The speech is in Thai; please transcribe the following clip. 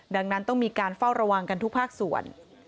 ดังนั้นต้องมีการเฝ้าระวังกันทุกภาคส่วน